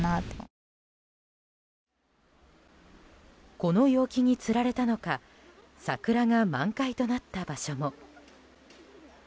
この陽気につられたのか桜が満開となった場所も。